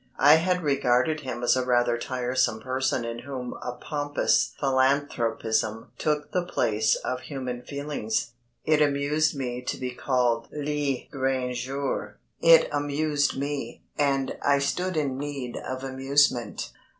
I had regarded him as a rather tiresome person in whom a pompous philanthropism took the place of human feelings. It amused me to be called Le Grangeur. It amused me, and I stood in need of amusement.